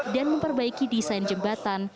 dan memperbaiki desain jembatan